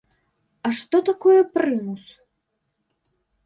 А што такое прымус?